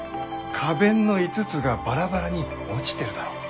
花弁の５つがバラバラに落ちてるだろ？